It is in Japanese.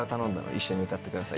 一緒に歌ってくださいって。